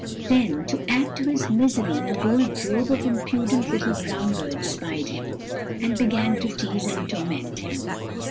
Then, to add to his misery, a whole drove of impudent little brown birds spied him, and began to tease and torment him.